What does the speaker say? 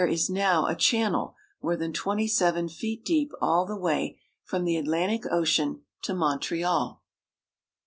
is now a channel more than twenty seven feet deep all the way from the Atlantic Ocean to Montreal.